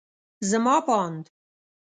زما په اند